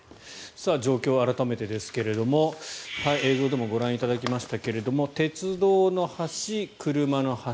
状況を改めてですが映像でもご覧いただきましたが鉄道の橋、車の橋。